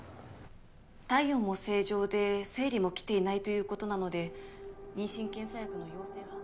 体温も正常で生理もきていないということなので妊娠検査薬の陽性反応は。